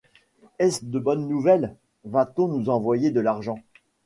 Est-ce de bonnes nouvelles ? va-t-on nous envoyer de l’argent ?